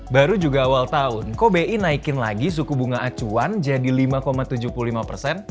baru juga awal tahun kok bi naikin lagi suku bunga acuan jadi lima tujuh puluh lima persen